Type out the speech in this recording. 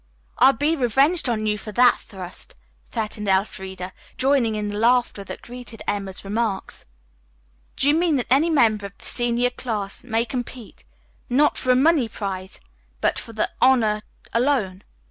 "I'll be revenged on you for that thrust," threatened Elfreda, joining in the laughter that greeted Emma's remark. "Do you mean that any member of the senior class may compete, not for a money prize, but for the honor alone?"